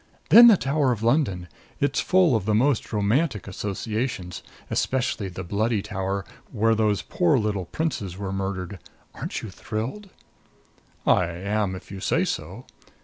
"Then the Tower of London. It's full of the most romantic associations. Especially the Bloody Tower, where those poor little princes were murdered. Aren't you thrilled?" "I am if you say so."